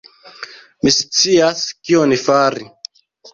Mi scias, kion fari.